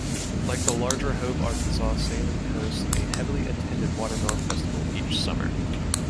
Like the larger Hope, Arkansas, Saline hosts a heavily attended Watermelon Festival each summer.